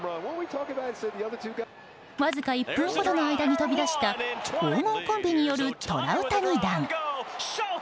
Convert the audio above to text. わずか１分ほどの間に飛び出した黄金コンビによるトラウタニ弾。